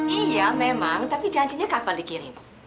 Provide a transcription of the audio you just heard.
iya memang tapi janjinya kapan dikirim